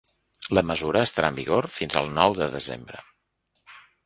La mesura estarà en vigor fins al nou de desembre.